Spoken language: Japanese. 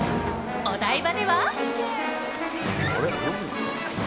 お台場では。